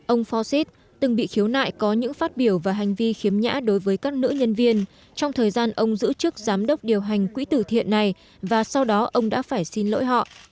ông fosit từng bị khiếu nại có những phát biểu và hành vi khiếm nhã đối với các nữ nhân viên trong thời gian ông giữ chức giám đốc điều hành quỹ tử thiện này và sau đó ông đã phải xin lỗi họ